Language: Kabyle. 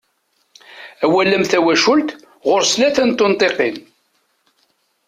Awal am "tawacult" ɣuṛ-s tlata n tunṭiqin.